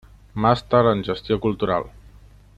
Màster en Gestió Cultural.